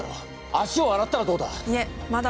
足をあらったらどうだ？